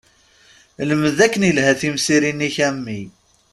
Lmed akken ilha timsirin-ik a mmi!